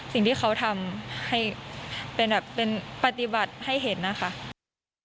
สิ่งที่เขาทำให้เป็นแบบเป็นปฏิบัติให้เห็นนะคะ